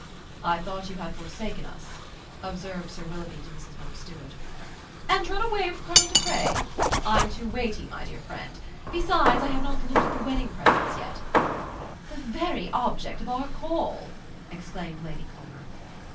"I thought you had forsaken us," observed Sir Willoughby to Mrs. Mountstuart. "And run away with Colonel De Craye? I'm too weighty, my dear friend. Besides, I have not looked at the wedding presents yet." "The very object of our call!" exclaimed Lady Culmer.